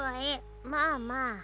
まあまあ。